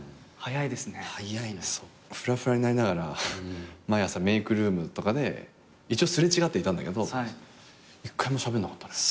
そうふらふらになりながら毎朝メークルームとかで一応すれ違っていたんだけど一回もしゃべんなかったね。